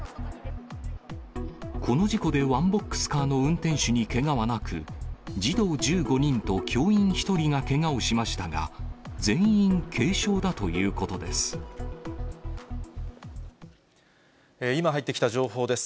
この事故でワンボックスカーの運転手にけがはなく、児童１５人と教員１人がけがをしましたが、全員軽傷だということ今入ってきた情報です。